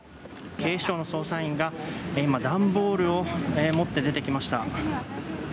警視庁の捜査員が今、段ボールを持って出てきました。